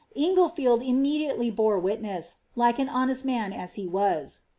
IngleHeld immediately bom witness, like an honest man as he was.